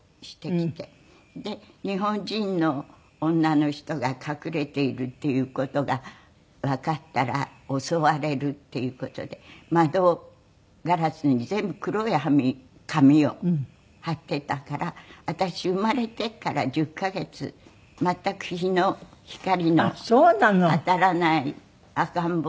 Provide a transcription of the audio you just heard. で日本人の女の人が隠れているっていう事がわかったら襲われるっていう事で窓ガラスに全部黒い紙を貼っていたから私生まれてから１０カ月全く日の光の当たらない赤ん坊だったんですね。